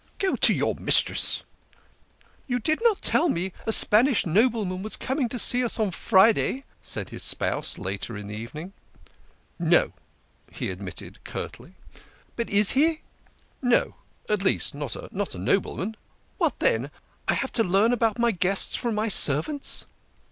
" Go to your mistress !"" You did not tell me a Spanish nobleman was coming to us on Friday," said his spouse later in the evening. 42 THE KING OF SCHNORRERS. " No," he admitted curtly. " But is he ?"" No at least, not a nobleman." "What then? I have to learn about my guests from my servants."